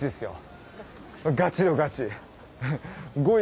ガチのガチ。